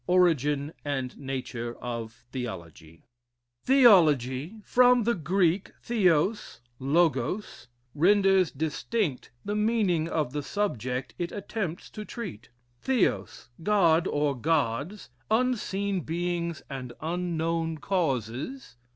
Origin and Nature of Theology:" "Theology from the Greek theos, logos, renders distinct the meaning of the subject it attempts to treat. Theos, God, or Gods, unseen beings and unknown causes.